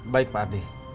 baik pak ardi